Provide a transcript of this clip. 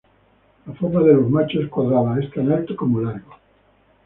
La forma de los machos es cuadrada; es tan alto como largo.